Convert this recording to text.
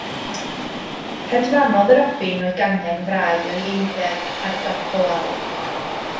Hedfanodd y robin o'i gangen frau o eiddew ar dop y wal.